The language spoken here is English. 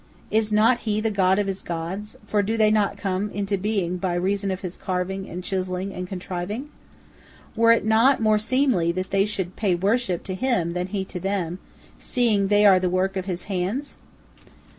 Is not he the god of his gods, for do they not come into being by reason of his carving and chiselling and contriving? Were it not more seemly that they should pay worship to him than he to them, seeing they are the work of his hands?"